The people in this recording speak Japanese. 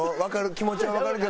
気持ちはわかるけどな。